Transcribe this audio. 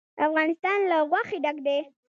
افغانستان له غوښې ډک دی.